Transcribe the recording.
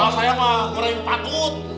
nah saya mah goreng patut